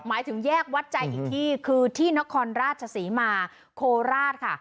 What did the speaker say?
หมายถึงแยกวัดใจอีกที่คือที่นครราชศรีมาโคราชค่ะ